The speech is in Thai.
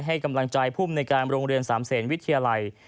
ให้กำลังใจภูมิในการโรงเรียนสามเศษวิทยาลัย